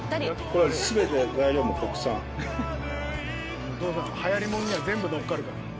これはお父さんはやりもんには全部乗っかるから。